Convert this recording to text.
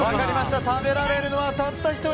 食べられるのは、たった１人。